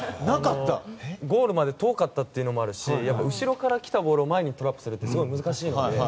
ゴールまで遠かったのもあるし後ろから来たボールを前にトラップするってすごい難しいので。